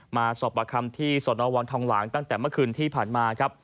มาสอบประคำที่สนวังทองหลางตั้งแต่เมื่อคืนที่ผ่านมาครับ